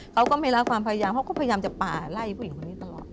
เขาก็ไม่รับความพยายามเขาก็พยายามจะป่าไล่ผู้หญิงคนนี้ตลอด